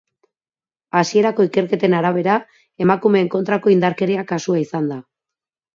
Hasierako ikerketen arabera, emakumeen kontrako indarkeria kasua izan da.